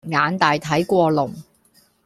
眼大睇過龍